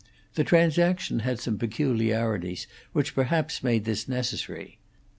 The transaction had some peculiarities which perhaps made this necessary.